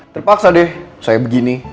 terpaksa deh saya begini